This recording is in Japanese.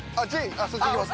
あっそっち行きます？